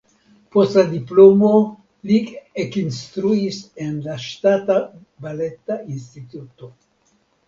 Post la diplomo li ekinstruis en la Ŝtata Baleta Instituto.